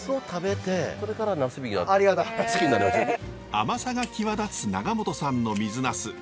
甘さが際立つ永本さんの水ナス。